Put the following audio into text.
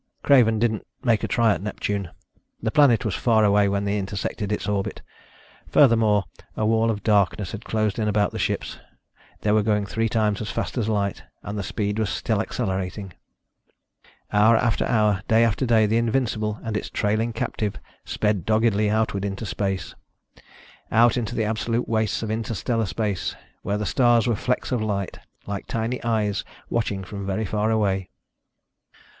Craven didn't make a try at Neptune. The planet was far away when they intersected its orbit ... furthermore, a wall of darkness had closed in about the ships. They were going three times as fast as light and the speed was still accelerating! Hour after hour, day after day, the Invincible and its trailing captive sped doggedly outward into space. Out into the absolute wastes of interstellar space, where the stars were flecks of light, like tiny eyes watching from very far away.